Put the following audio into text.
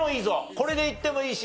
これでいってもいいし。